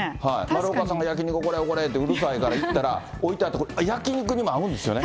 丸岡さんが焼き肉おごれおごれってうるさいから、行ったら、置いてあって、焼き肉にも合うんですよね。